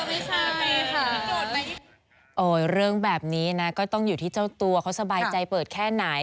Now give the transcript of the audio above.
ไม่ใช่ค่ะโอ้เรื่องแบบนี้นะก็ต้องอยู่ที่เจ้าตัวเขาสบายใจเปิดแค่ไหน